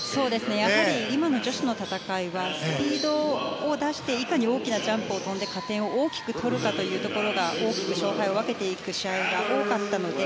やはり今の女子の戦いはスピードを出していかに大きなジャンプを跳んで加点を大きく取るかが大きく勝敗を分けていく試合が多かったので。